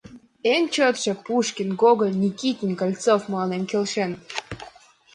Эн чотшо Пушкин, Гоголь, Никитин, Кольцов мыланем келшеныт.